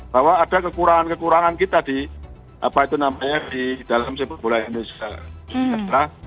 bahwa ada kekurangan kekurangan kita di dalam sepak bola indonesia